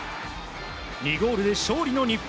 ２ゴールで勝利の日本。